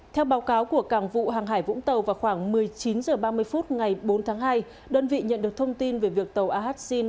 theo báo cáo của cảng vụ hàng hải vũng tàu vào khoảng một mươi chín h ba mươi phút ngày bốn tháng hai đơn vị nhận được thông tin về việc tàu ahxin